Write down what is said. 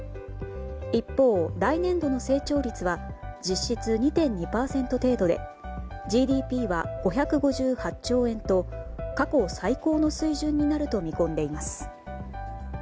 一方、来年度の成長率は実質２．２％程度でＧＤＰは５５８兆円と過去最高の水準になると見込んでいます。